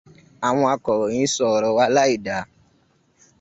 Àwọn akọ̀ròyìn ń sọ ọ̀rọ̀ wa láì da.